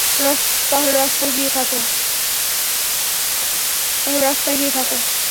তাহলে রাস্তায় গিয়ে থাক।